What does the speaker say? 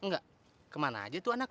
enggak tahu tulis